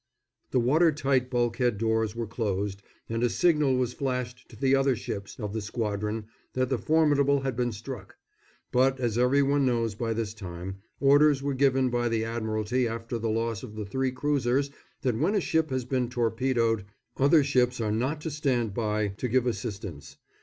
The water tight bulkhead doors were closed, and a signal was flashed to the other ships of the squadron that the Formidable had been struck; but, as every one knows by this time, orders were given by the Admiralty after the loss of the three cruisers that when a ship has been torpedoed other ships are not to stand by to give assistance.